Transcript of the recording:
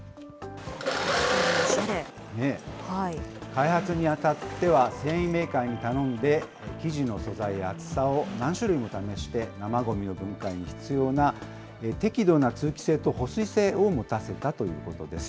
開発にあたっては、繊維メーカーに頼んで、生地の素材や厚さを何種類も試して、生ごみの分解に必要な適度な通気性と保水性を持たせたということです。